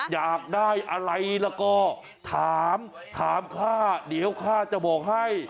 อยากได้อะไรแล้วก็ถามถามข้าเดี๋ยวข้าจะบอกให้